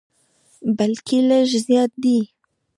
بلکې لږ زیات دي.